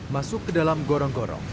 masuk ke dalam gorong gorong